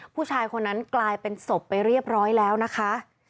ผู้ชายคนนั้นกลายเป็นศพไปเรียบร้อยแล้วนะคะ